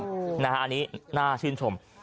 อันนี้น่าชื่นชม